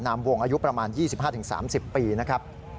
มวงอายุประมาณ๒๕๓๐ปีนะครับ